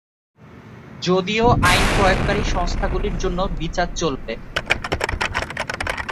যদিও আইন প্রয়োগকারী সংস্থাগুলির জন্য বিচার চলবে।